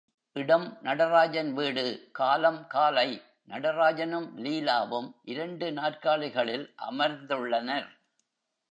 இடம் நடராஜன் வீடு காலம் காலை நடராஜனும் லீலாவும் இரண்டு நாற்காலிகளில் அமர்ந்துள்ளனர்.